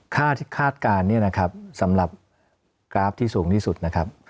ค่าที่คาดการณ์เนี่ยนะครับสำหรับกราฟที่สูงที่สุดนะครับ